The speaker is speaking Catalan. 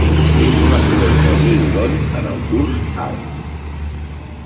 És un afluent del riu Don en el curs alt.